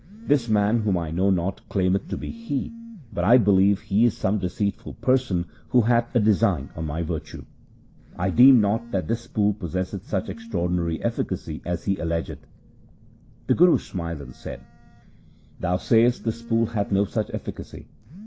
This man whom I know not, claimeth to be he, but I believe he is some deceitful person who hath a design on my virtue. I deem not that this pool possesseth such extraordinary efficacy as he ahegeth.' The Guru smiled and said :' Thou say est this pool hath no such efficacy.